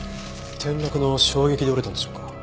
転落の衝撃で折れたんでしょうか？